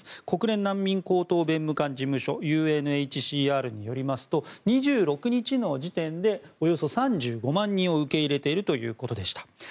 国連難民高等弁務官事務所ＵＮＨＣＲによりますと２６日の時点でおよそ３５万人を受け入れているということでした。